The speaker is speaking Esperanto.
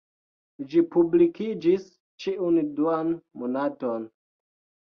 Ĝi publikiĝis ĉiun duan monaton.